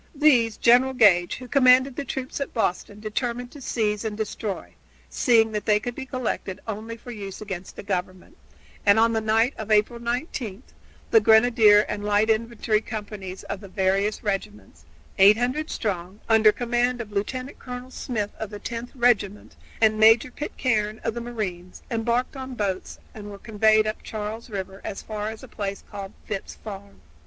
These General Gage, who commanded the troops at Boston, determined to seize and destroy, seeing that they could be collected only for use against the Government, and on the night of April 19 the grenadier and light infantry companies of the various regiments, 800 strong, under command of Lieutenant Colonel Smith of the Tenth Regiment, and Major Pitcairne of the Marines, embarked in boats and were conveyed up Charles River as far as a place called Phipps' Farm.